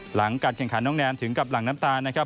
หลังการแข่งขันน้องแนนถึงกับหลังน้ำตานะครับ